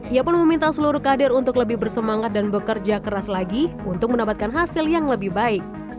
ia pun meminta seluruh kader untuk lebih bersemangat dan bekerja keras lagi untuk mendapatkan hasil yang lebih baik